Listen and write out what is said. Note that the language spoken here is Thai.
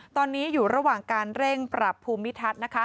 ตอนนี้อยู่ระหว่างการเร่งปรับภูมิทัศน์